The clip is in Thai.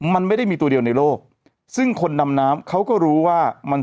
มันไม่ได้มีตัวเดียวในโลกซึ่งคนดำน้ำเขาก็รู้ว่ามัน